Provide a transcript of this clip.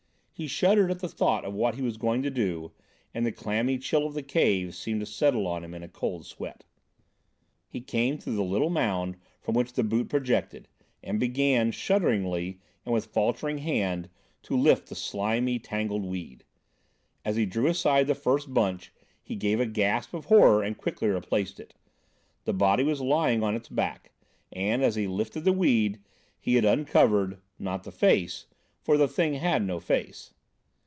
He shuddered at the thought of what he was going to do, and the clammy chill of the cave seemed to settle on him in a cold sweat. He came to the little mound from which the boot projected, and began, shudderingly and with faltering hand, to lift the slimy, tangled weed. As he drew aside the first bunch, be gave a gasp of horror and quickly replaced it. The body was lying on its back, and, as he lifted the weed he had uncovered—not the face, for the thing had no face.